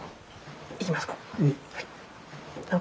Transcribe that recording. いきますか。